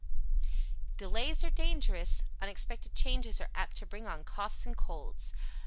Delays are dangerous unexpected changes are apt to bring on Coughs and Colds.